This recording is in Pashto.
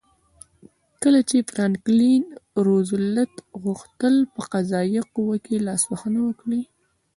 کله چې فرانکلین روزولټ غوښتل په قضایه قوه کې لاسوهنه وکړي.